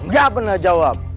gak pernah jawab